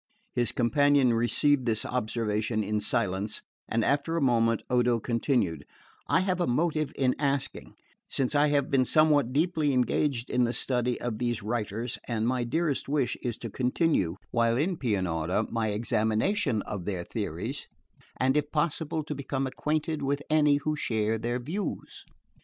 His companion received this observation in silence; and after a moment Odo continued: "I have a motive in asking, since I have been somewhat deeply engaged in the study of these writers, and my dearest wish is to continue while in Pianura my examination of their theories, and if possible to become acquainted with any who share their views."